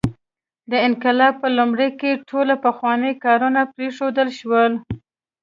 د انقلاب په لومړیو کې ټول پخواني کارونه پرېښودل شول.